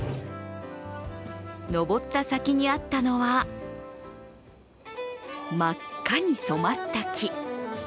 登った先にあったのは、真っ赤に染まった木。